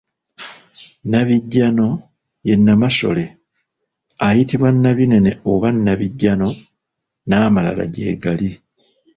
Nabijjaano ye Nnamasole, ayitibwa Nabinene oba Nabijjaano n'amalala gye gali.